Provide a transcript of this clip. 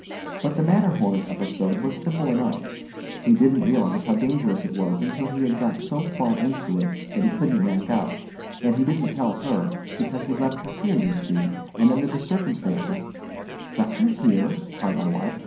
But the Matterhorn episode was simple enough. He didn't realize how dangerous it was until he had got so far into it that he couldn't back out; and he didn't tell her, because he'd left her here, you see, and under the circumstances——" "Left her here!" cried my wife.